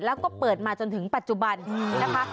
แล้วก็เปิดมาจนถึงปัจจุบันนี้นะคะ